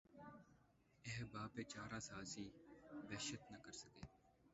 احباب چارہ سازیٴ وحشت نہ کرسکے